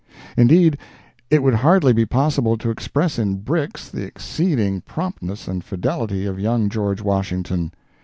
Indeed, it would hardly be possible to express in bricks the exceeding promptness and fidelity of young George Washington.